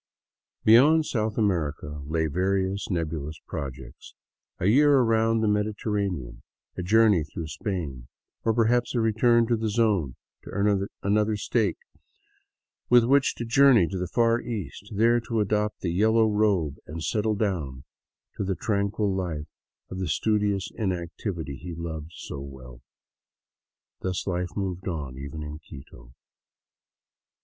Beyond South America lay various nebulous projects, — a year around the Mediterranean, a journey through Spain, or perhaps a return to the Zone to earn another " stake " with which to journey to the Far East, there to adopt the yellow robe and settle down to the tranquil life of studious inactivity he loved so well. Thus life moved on, even in Quito.